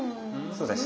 そうですね